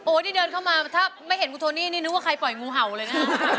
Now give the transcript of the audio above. นี่เดินเข้ามาถ้าไม่เห็นคุณโทนี่นี่นึกว่าใครปล่อยงูเห่าเลยนะ